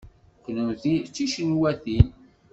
Kennemti d ticinwatin?